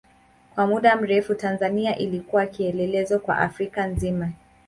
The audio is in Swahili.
Kwa muda mrefu Tanzania ilikuwa kielelezo kwa Afrika nzima.